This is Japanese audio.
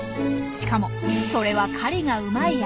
しかもそれは狩りがうまい証し。